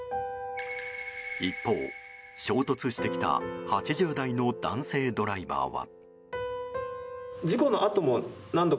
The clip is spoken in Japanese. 一方、衝突してきた８０代の男性ドライバーは。